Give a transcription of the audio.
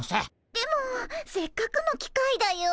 でもせっかくの機会だよ。